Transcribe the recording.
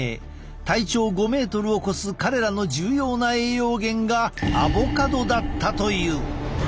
体長５ｍを超す彼らの重要な栄養源がアボカドだったという。